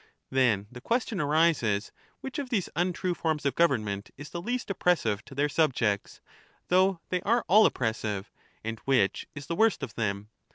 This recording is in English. Then the question arises:— which of these untrue forms of government is the least oppressive to their subjects, though they are all oppressive; and which is the worst of them